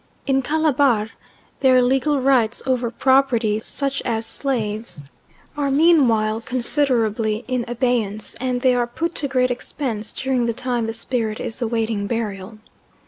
In Calabar their legal rights over property, such as slaves, are meanwhile considerably in abeyance, and they are put to great expense during the time the spirit is awaiting burial.